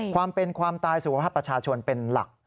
ความเป็นความตายสุขภาพประชาชนเป็นหลัก